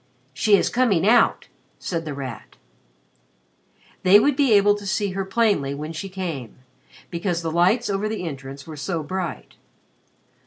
"She is coming out," said The Rat. They would be able to see her plainly when she came, because the lights over the entrance were so bright.